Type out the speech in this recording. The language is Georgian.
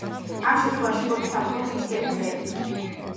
ამ შემთხვევაშიც მოდით ავიღოთ იისფერი წრეები.